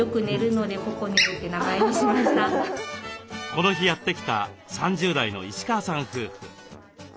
この日やって来た３０代の石川さん夫婦。